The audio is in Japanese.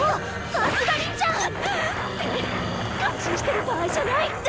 さすがりんちゃん！って感心してる場合じゃない！